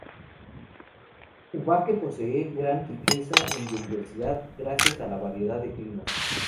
Ubaque posee gran riqueza en biodiversidad, gracias a la variedad de climas.